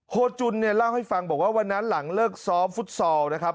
โจรเนี่ยเล่าให้ฟังบอกว่าวันนั้นหลังเลิกซ้อมฟุตซอลนะครับ